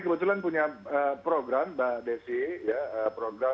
kebetulan punya program